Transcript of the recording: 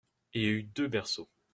Il y eut deux berceaux.